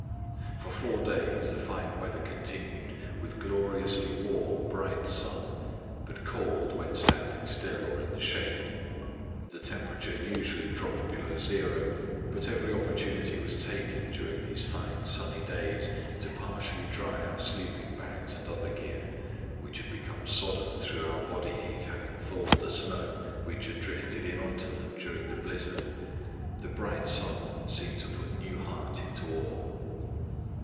For four days the fine weather continued, with gloriously warm, bright sun, but cold when standing still or in the shade. The temperature usually dropped below zero, but every opportunity was taken during these fine, sunny days to partially dry our sleeping bags and other gear, which had become sodden through our body heat having thawed the snow which had drifted in on to them during the blizzard. The bright sun seemed to put new heart into all.